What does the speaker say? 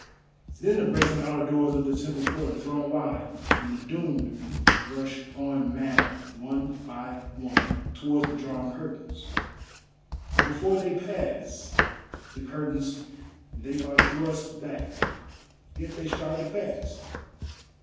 Then the brazen outer doors of the temple court are thrown wide and the doomed rush on madly, one by one, towards the drawn curtains. But before they pass the curtains they are thrust back, yet they strive to pass.